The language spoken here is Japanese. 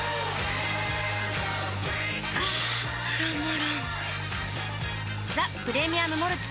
あたまらんっ「ザ・プレミアム・モルツ」